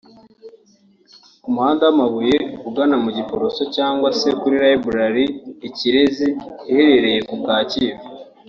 ku muhanda w’amabuye ugana mu Giporoso cyangwa se kuri Librairie Ikirezi iherereye ku Kacyiru